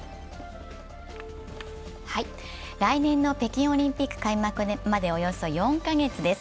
来年の北京オリンピック開幕までおよそ４カ月です。